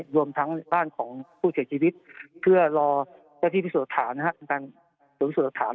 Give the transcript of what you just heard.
รวมทั้งบ้านของผู้เสียชีวิตเพื่อรอเจ้าที่พิสุทธิ์สถานนะครับ